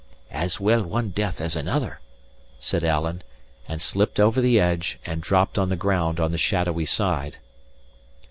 "As well one death as another," said Alan, and slipped over the edge and dropped on the ground on the shadowy side.